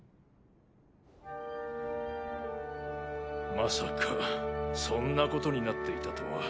まさかそんなことになっていたとは。